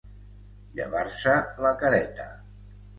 Llevar-se la careta.